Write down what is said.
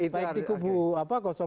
baik di kubu apa